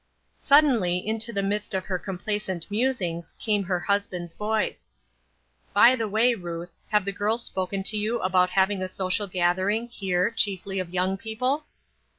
Suddenly, into the midst of her complacent musings, came her husband's voice, —" By the way, Ruth, have the girls spoken to you about having a social gathering here, chiefly of young people